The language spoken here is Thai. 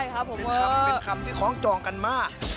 เป็นคำที่คล้องจองกันมาก